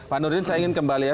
pak nurdin saya ingin kembali ya